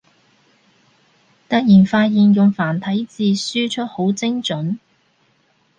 突然發現用繁體字輸出好精准